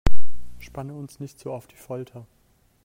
Spanne uns nicht so auf die Folter